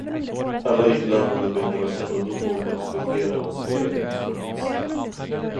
Alla inblandande behöver ha kännedom om och respektera vad som har överenskommits.